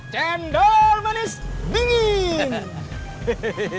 cendol manis dingin